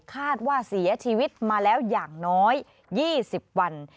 คาดว่าเสียชีวิตมาแล้วอย่างน้อย๒๐วัน